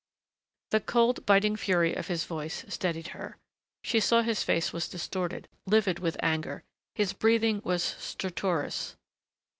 The cold, biting fury of his voice steadied her. She saw his face was distorted, livid with anger. His breathing was stertorous.